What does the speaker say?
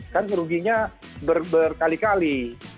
kan ruginya berkali kali